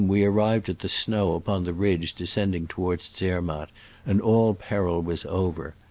we arrived at the snow upon the ridge descending toward Zer matt, and all peril was over.